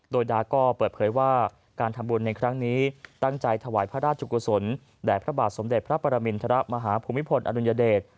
โดยดาก็เปิดเผยว่าการทำบุญในครั้งนี้ตั้งใจถวายพระราชกุศลแด่พระบาทสมเด็จพระปรมินทรมาฮภูมิพลอดุลยเดช